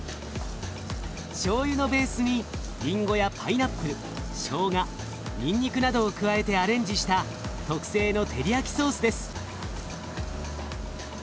しょうゆのベースにリンゴやパイナップルしょうがにんにくなどを加えてアレンジした特製のテリヤキソースです。